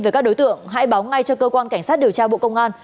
về các đối tượng hãy báo ngay cho cơ quan cảnh sát điều tra bộ công an